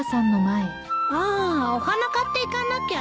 あお花買っていかなきゃね。